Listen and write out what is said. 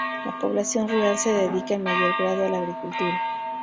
La población rural se dedica en mayor grado a la agricultura.